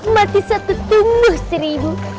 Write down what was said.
mati satu tumbuh seribu